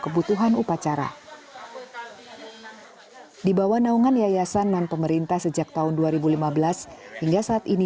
kebutuhan upacara dibawa naungan yayasan non pemerintah sejak tahun dua ribu lima belas hingga saat ini